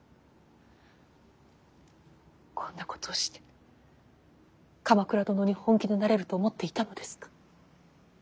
こんなことをして鎌倉殿に本気でなれると思っていたのですか。